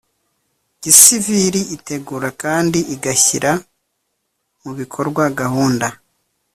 Gisiviri itegura kandi igashyira mu bikorwa gahunda